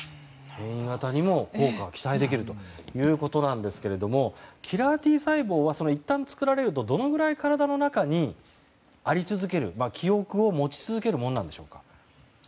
変異型にも効果が期待できるということですがキラーＴ細胞はいったん作られるとどのぐらい体の中にあり続ける、記憶を持ち続けるものなんでしょうか。